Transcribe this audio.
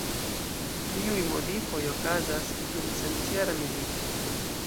Tiuj modifoj okazas dum Centjara milito.